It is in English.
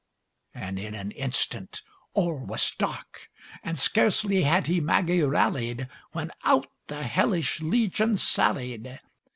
And in an instant all was dark; And scarcely had he Maggie rallied, When out the hellish legion sallied.